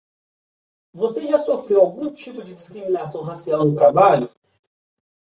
Você já sofreu algum tipo de discriminação racial no trabalho?